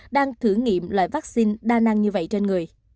đang thử nghiệm loại vaccine đa năng như vậy trên người